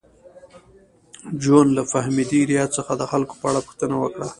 جون له فهمیدې ریاض څخه د خلکو په اړه پوښتنه وکړه